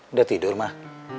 udah tidur mah